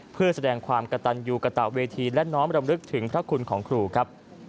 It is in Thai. เพื่อแสดงความกระตันยูกระตะเวทีและน้อมรำลึกถึงพระคุณของครูครับ